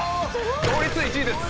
同率１位です。